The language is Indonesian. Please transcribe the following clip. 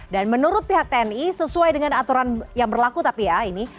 dan menurut pihak tni sesuai dengan aturan yang berlaku tapi ya ini